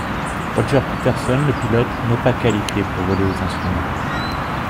Roger Peterson, le pilote, n'est pas qualifié pour voler aux instruments.